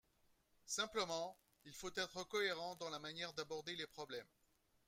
Simplement, il faut être cohérent dans la manière d’aborder les problèmes.